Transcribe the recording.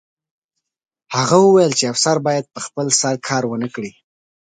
هغه وویل چې افسر باید په خپل سر کار ونه کړي